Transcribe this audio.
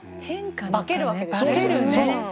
化けるわけですね。